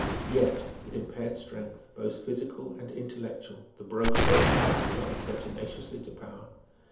Yet, with impaired strength, both physical and intellectual, the broken old man clung pertinaciously to power.